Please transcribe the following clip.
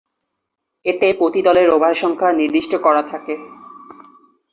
এতে প্রতি দলের ওভার সংখ্যা নির্দিষ্ট করা থাকে।